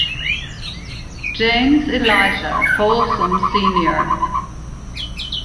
James Elisha Folsom Sr.